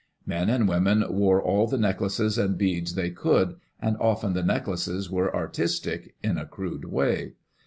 Men and women wore all the necklaces and beads they could, and often the necklaces were artistic, in a crude way.